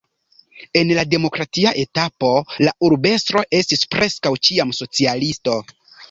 En la demokratia etapo la urbestro estis preskaŭ ĉiam socialisto.